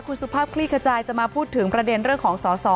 คุณสุภาพคลี่ขจายจะมาพูดถึงประเด็นเรื่องของสอสอ